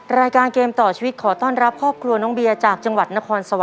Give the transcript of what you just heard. และให้ทุกคนได้ครอบครัว